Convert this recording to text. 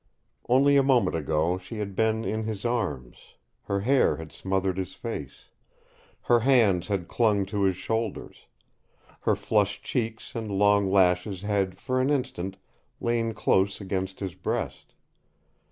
Only a moment ago she had been in his arms; her hair had smothered his face; her hands had clung to his shoulders; her flushed cheeks and long lashes had for an instant lain close against his breast.